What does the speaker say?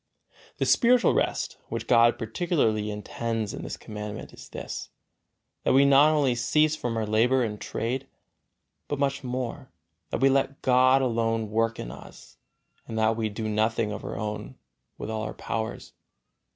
The spiritual rest, which God particularly intends in this Commandment, is this: that we not only cease from our labor and trade, but much more, that we let God alone work in us and that we do nothing of our own with all our powers.